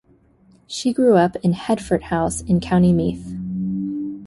She grew up in Headfort House in County Meath.